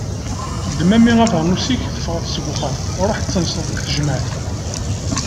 Ddem a mmi abernus-ik tefɣeḍ seg uxxam! Ruḥ ad tenseḍ deg tejmeɛt.